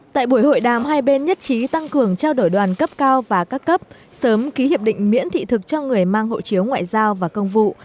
tại buổi hội đàm hai bên nhất trí tăng cường trao đổi đoàn cấp cao và các cấp sớm ký hiệp định miễn thị thực cho người mang hộ chiếu ngoại giao và công vụ